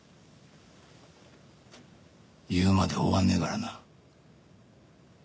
言うまで終わんねえからな。